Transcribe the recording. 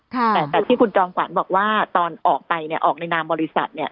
แต่จากที่คุณจอมขวัญบอกว่าตอนออกไปเนี่ยออกในนามบริษัทเนี่ย